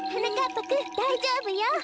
ぱくんだいじょうぶよ！